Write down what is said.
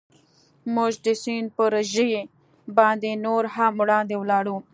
موږ د سیند پر ژۍ باندې نور هم وړاندې ولاړو.